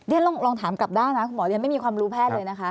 เดี๋ยวลองถามกลับด้านคุณหมอเรียนไม่มีความรู้แพทย์เลย